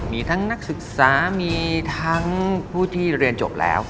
มีทั้งนักศึกษามีทั้งผู้ที่เรียนจบแล้ว